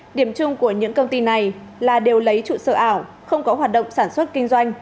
điểm chung của những công ty này là đều lấy trụ sở ảo không có hoạt động sản xuất kinh doanh